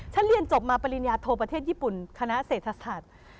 เรียนจบมาปริญญาโทประเทศญี่ปุ่นคณะเศรษฐศาสตร์